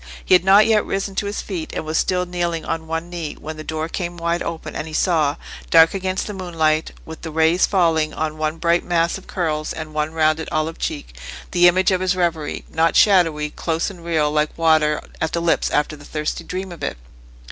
He had not yet risen to his feet, and was still kneeling on one knee, when the door came wide open and he saw, dark against the moonlight, with the rays falling on one bright mass of curls and one rounded olive cheek, the image of his reverie—not shadowy—close and real like water at the lips after the thirsty dream of it.